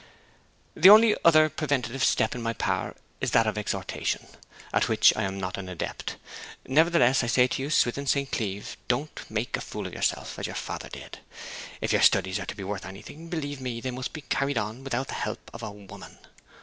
'The only other preventive step in my power is that of exhortation, at which I am not an adept. Nevertheless, I say to you, Swithin St. Cleeve, don't make a fool of yourself, as your father did. If your studies are to be worth anything, believe me, they must be carried on without the help of a woman.